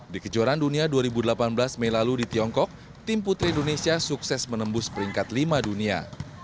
di kejuaraan dunia dua ribu delapan belas mei lalu di tiongkok tim putri indonesia sukses menembus peringkat lima dunia